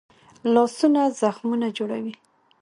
لاسونه زخمونه جوړوي